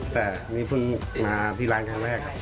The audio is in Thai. แต่นี่เพิ่งมาที่ร้านครั้งแรก